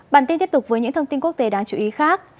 bản tin tiếp tục với những thông tin quốc tế đáng chú ý khác